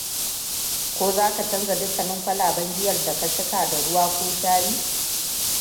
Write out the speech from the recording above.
Ko za ka canza dukkanin kwalaben giyar da ka cika da ruwa ko shayi?